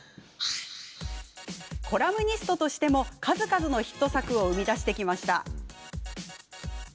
コラムニストとしても、数々のヒット作を生み出してきました。